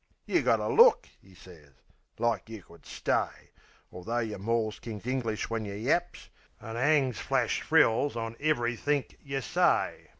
"You got a look," 'e sez, "like you could stay; Altho' yeh mauls King's English when yeh yaps, An' 'angs flash frills on ev'rythink yeh say.